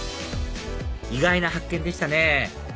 意外な発見でしたね